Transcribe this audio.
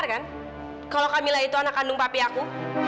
kenapa kamila tidak ada yang menjawab pertanyaanku